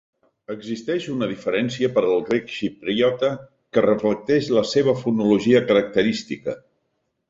Existeix una diferència per al grec xipriota que reflecteix la seva fonologia característica.